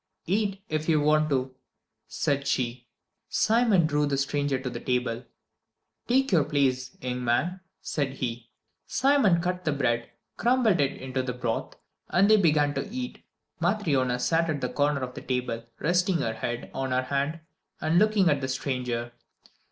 "Eat, if you want to," said she. Simon drew the stranger to the table. "Take your place, young man," said he. Simon cut the bread, crumbled it into the broth, and they began to eat. Matryona sat at the corner of the table resting her head on her hand and looking at the stranger.